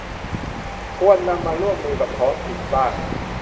ควรนำมาร่วมมือกับท้องถิ่นสร้าง